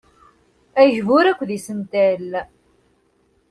Agbur akked isental.